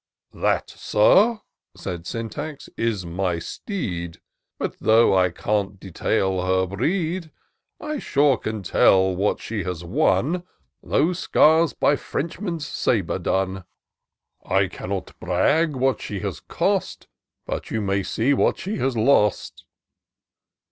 " That, Sir," said Syntax, " is my steed ; But though I can't detail her breed, I sure can tell what she has won — Those scars by Frenchman's sabre done. IN SEARCH OF THE PICTURESQUE. 233 I cannot brag what she has cost ; But you may see what she has lost."